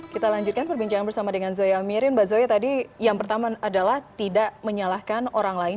kita lanjutkan perbincangan bersama dengan zoya amirin mbak zoya tadi yang pertama adalah tidak menyalahkan orang lain